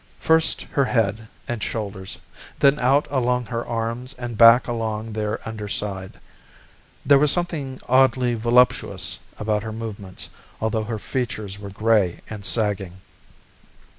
First her head and shoulders, then out along her arms and back along their under side. There was something oddly voluptuous about her movements, although her features were gray and sagging.